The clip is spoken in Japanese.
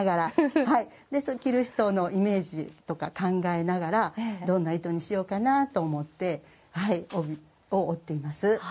着る人のイメージとか考えながらどんな糸にしようかなと思って帯を織っています。